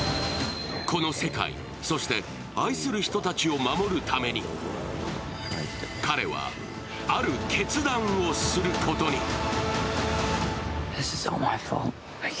この世界、そして愛する人たちを守るために彼は、ある決断をすることに。